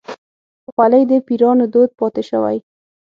خولۍ د پيرانو دود پاتې شوی.